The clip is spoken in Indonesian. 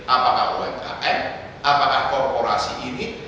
apakah umkm apakah korporasi ini